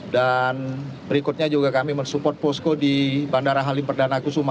dan berikutnya juga kami mensupport posko di bandara halim perdana kusuma